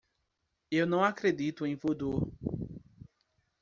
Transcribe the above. Eu não acredito em vodu.